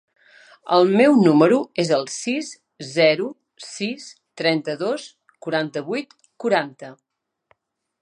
El meu número es el sis, zero, sis, trenta-dos, quaranta-vuit, quaranta.